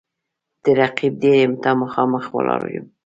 د رقیب دېرې ته مـــخامخ ولاړ یـــــم